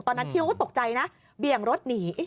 ตอนนั้นพี่เขาก็ตกใจนะเบี่ยงรถหนี